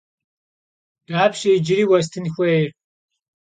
Dapşe yicıri vuestın xuêyr?